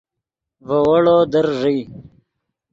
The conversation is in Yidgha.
ڤے ویڑو در ݱئے